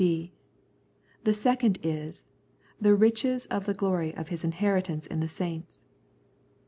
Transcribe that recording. {b) The second is " The riches of the glory of His inheritance in the saints."